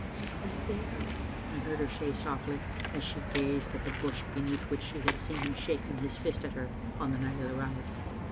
"It was there," I heard her say softly, as she gazed at the bush beneath which she had seen him shaking his fist at her on the night of the riots.